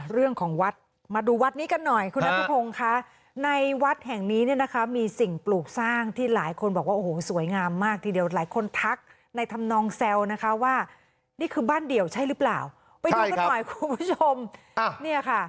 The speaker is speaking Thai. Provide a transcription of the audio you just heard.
เรื่องของวัดมาดูวัดนี้กันหน่อยคุณนัทพงศ์ค่ะในวัดแห่งนี้เนี่ยนะคะมีสิ่งปลูกสร้างที่หลายคนบอกว่าโอ้โหสวยงามมากทีเดียวหลายคนทักในธรรมนองแซวนะคะว่านี่คือบ้านเดี่ยวใช่หรือเปล่าไปดูกันหน่อยคุณผู้ชมเนี่ยค่ะ